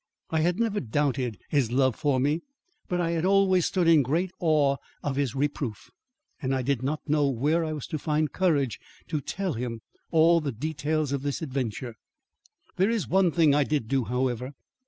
I had never doubted his love for me, but I had always stood in great awe of his reproof, and I did not know where I was to find courage to tell him all the details of this adventure. There is one thing I did do, however.